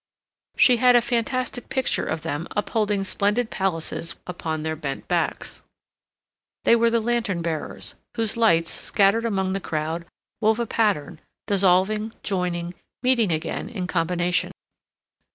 She had a fantastic picture of them upholding splendid palaces upon their bent backs. They were the lantern bearers, whose lights, scattered among the crowd, wove a pattern, dissolving, joining, meeting again in combination.